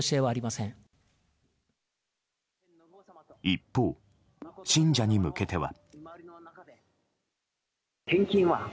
一方、信者に向けては。